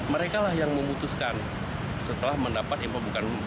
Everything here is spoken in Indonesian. mereka lah yang memutuskan setelah mendapat informasi